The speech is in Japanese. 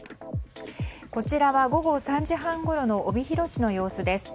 こちらは午後３時半ごろの帯広市の様子です。